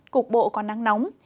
cục bộ còn nắng nóng